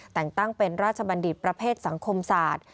แต่งตั้งเป็นราชบัณฑิตประเภทสังคมศาสตร์